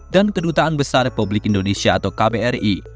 dan kedutaan besar republik indonesia atau kbri